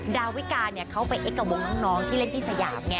ดาวิกาเขาไปเอ็กกับวงน้องที่เล่นที่สยามไง